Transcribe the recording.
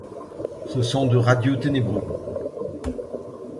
Ce sont de radieux ténébreux.